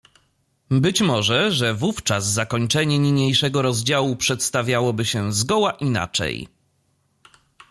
Być może, że wówczas zakończenie niniejszego rozdziału przedstawiałoby się zgoła inaczej.